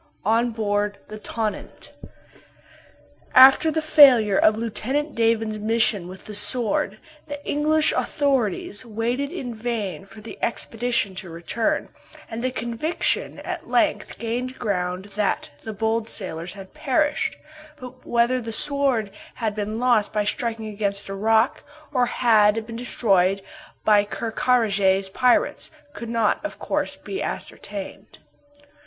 ON BOARD THE "TONNANT." After the failure of Lieutenant Davon's mission with the Sword, the English authorities waited in vain for the expedition to return, and the conviction at length gained ground that the bold sailors had perished; but whether the Sword had been lost by striking against a rock or had been destroyed by Ker Karraje's pirates, could not, of course, be ascertained.